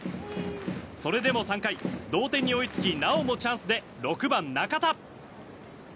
それでも３回、同点に追いつきなおもチャンスで６番、中田。